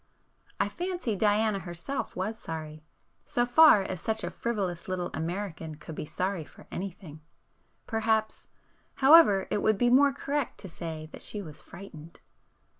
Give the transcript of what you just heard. I fancy Diana herself was sorry, so far as such a frivolous little American could be sorry for anything,—perhaps, however it would be more correct to say that she was frightened.